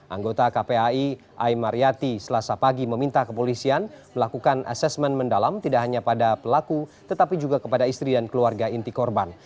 anggota kpai ai mariati selasa pagi meminta kepolisian melakukan asesmen mendalam tidak hanya pada pelaku tetapi juga kepada istri dan keluarga inti korban